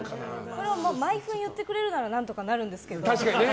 これを毎分言ってくれるなら何とかなるんですけど。